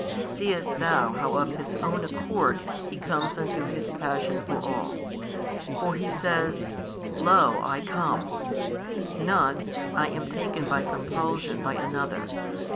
Seest thou how of His own accord He comes unto His Passion for all? For He says, Lo I come, not, I am taken by compulsion by another.